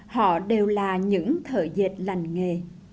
họ đều là những thợ dệt lành nghề